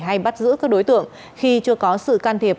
hay bắt giữ các đối tượng khi chưa có sự can thiệp